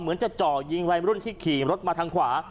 เหมือนจะจ่อยิงวัยรุ่นที่ขี่รถมาทางขวา